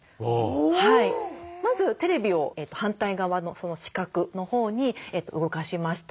まずテレビを反対側の死角のほうに動かしました。